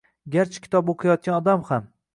Garchi kitob o‘qiyotgan odam ham